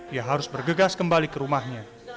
ia harus bergegas kembali ke rumahnya